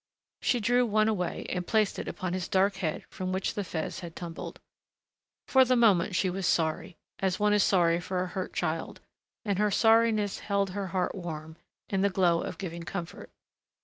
She drew one away and placed it upon his dark head from which the fez had tumbled. For the moment she was sorry, as one is sorry for a hurt child. And her sorriness held her heart warm, in the glow of giving comfort.